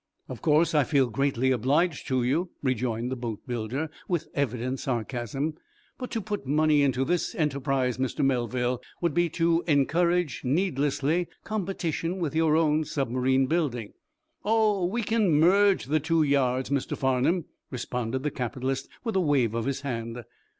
"Of course I feel greatly obliged to you," rejoined the boatbuilder, with evident sarcasm. "But to put money into this enterprise, Mr. Melville, would be to encourage, needlessly, competition with your own submarine building." "Oh, we can merge the two yards, Mr. Farnum," responded the capitalist, with a wave of his hand.